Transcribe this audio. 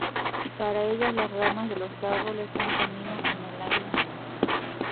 Para ellas, las ramas de los árboles son caminos en el aire.